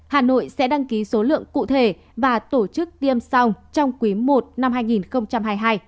hà nội sẽ đăng ký số lượng cụ thể và tổ chức tiêm sau trong quý i năm hai nghìn hai mươi hai